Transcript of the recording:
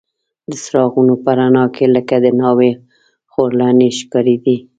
د څراغونو په رڼا کې لکه د ناوې خورلڼې ښکارېدې.